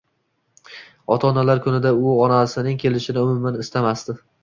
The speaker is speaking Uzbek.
Ota-onalar kunida u onasining kelishini umuman istamasdi